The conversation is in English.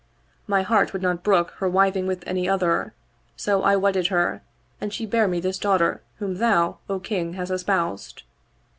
My heart would not brook her wiving with any other; so I wedded her and she bare me this daughter whom thou, O King, hast espoused."